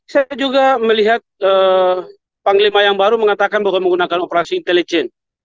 saya juga melihat panglima yang baru mengatakan bahwa menggunakan operasi intelijen